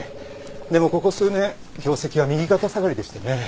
でもここ数年業績は右肩下がりでしてね。